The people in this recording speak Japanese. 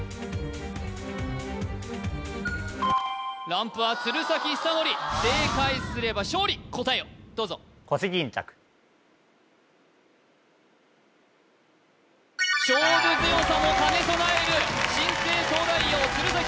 ランプは鶴崎修功正解すれば勝利答えをどうぞ勝負強さも兼ね備える新生東大王鶴崎